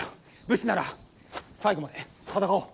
武士なら最後まで戦おう。